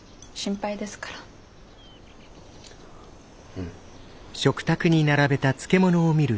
うん。